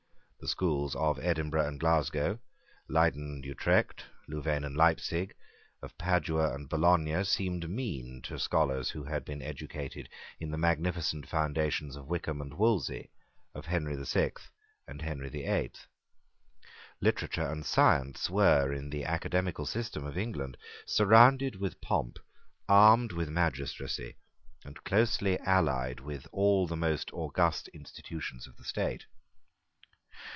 The schools of Edinburgh and Glasgow, of Leyden and Utrecht, of Louvain and Leipzig, of Padua and Bologna, seemed mean to scholars who had been educated in the magnificent foundations of Wykeham and Wolsey, of Henry the Sixth and Henry the Eighth. Literature and science were, in the academical system of England, surrounded with pomp, armed with magistracy, and closely allied with all the most august institutions of the state.